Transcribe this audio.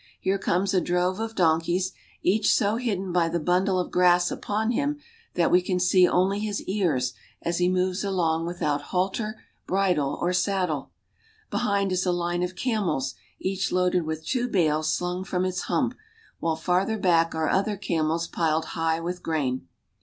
I Here comes a drov^J of donkeys, each hidden by the bundl^ of grass upon hiiftl that we can see onl^l his ears as he moves' along without halter, bridle, or saddle. Be els, each loaded with two bales slung from its hump, while farther back are other camels piled high with grain.